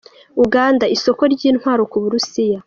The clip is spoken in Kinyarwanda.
Uganda, isoko ry’intwaro ku Burusiya